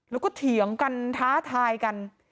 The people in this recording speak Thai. แล้วก็เถียงกันท้าทายกัน